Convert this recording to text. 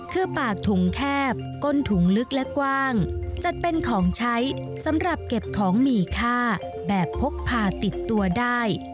คือปากถุงแคบก้นถุงลึกและกว้างจัดเป็นของใช้สำหรับเก็บของมีค่าแบบพกผ่าติดตัวได้